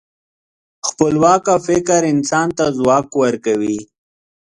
خپلواکه فکر انسان ته ځواک ورکوي.